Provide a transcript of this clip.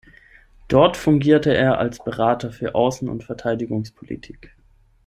Dort fungierte er als Berater für Außen- und Verteidigungspolitik.